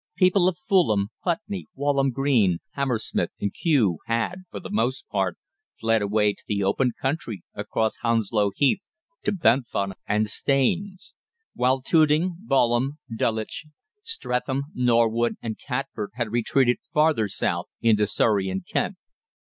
People of Fulham, Putney, Walham Green, Hammersmith, and Kew had, for the most part, fled away to the open country across Hounslow Heath to Bedfont and Staines; while Tooting, Balham, Dulwich, Streatham, Norwood, and Catford had retreated farther south into Surrey and Kent.